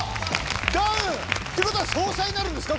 ダウンということは相殺になるんですか？